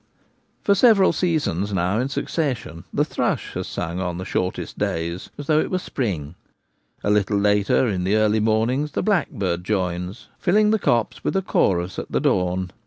For several seasons now in succession the thrush has sung on the shortest days, as though it were H2 The Gamekeeper at Home. spring ; a little later, in the early mornings, the blackbird joins, filling the copse with a chorus at the dawn.